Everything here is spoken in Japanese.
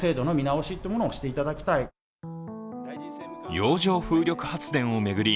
洋上風力発電を巡り